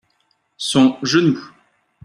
son genou.